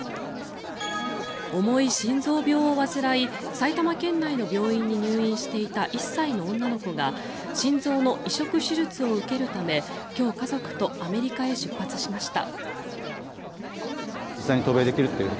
重い心臓病を患い埼玉県内の病院に入院していた１歳の女の子が心臓の移植手術を受けるため今日、家族とアメリカへ出発しました。